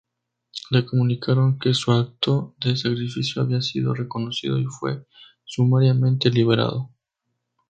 Le comunicaron que su acto de sacrificio había sido reconocido y fue sumariamente liberado.